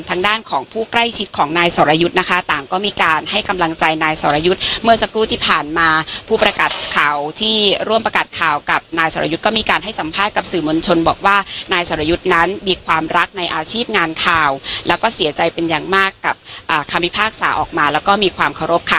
ทางด้านของผู้ใกล้ชิดของนายสรยุทธ์นะคะต่างก็มีการให้กำลังใจนายสรยุทธ์เมื่อสักครู่ที่ผ่านมาผู้ประกาศข่าวที่ร่วมประกาศข่าวกับนายสรยุทธ์ก็มีการให้สัมภาษณ์กับสื่อมวลชนบอกว่านายสรยุทธ์นั้นมีความรักในอาชีพงานข่าวแล้วก็เสียใจเป็นอย่างมากกับคำพิพากษาออกมาแล้วก็มีความเคารพค่ะ